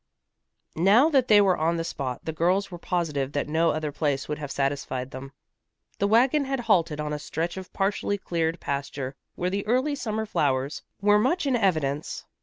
Now that they were on the spot, the girls were positive that no other place would have satisfied them. The wagon had halted on a stretch of partially cleared pasture where the early summer flowers were much in evidence.